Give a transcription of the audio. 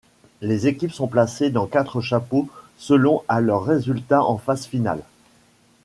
Les équipes sont placées dans quatre chapeaux selon à leurs résultats en phase finale.